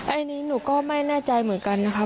อันนี้หนูก็ไม่แน่ใจเหมือนกันนะคะ